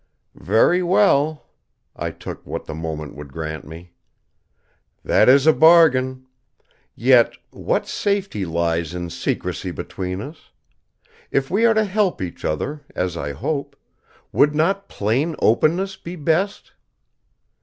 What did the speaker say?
"Very well," I took what the moment would grant me. "That is a bargain. Yet, what safety lies in secrecy between us? If we are to help each other, as I hope, would not plain openness be best?